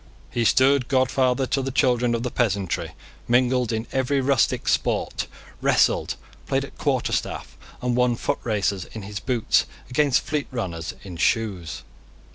He stood godfather to the children of the peasantry, mingled in every rustic sport, wrestled, played at quarterstaff, and won footraces in his boots against fleet runners in shoes.